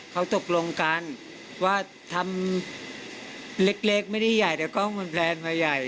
เขาตกลงกันว่าทำเล็กไม่ได้ใหญ่แต่กล้องมันแพลนมาใหญ่